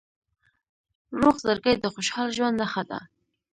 روغ زړګی د خوشحال ژوند نښه ده.